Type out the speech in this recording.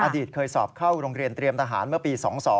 อดีตเคยสอบเข้าโรงเรียนเตรียมทหารเมื่อปี๒๒